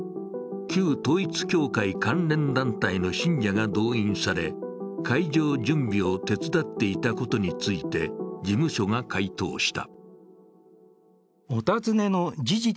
旧統一教会関連団体の信者が動員され、会場準備を手伝っていたことについて事務所が回答した。